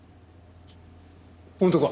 本当か？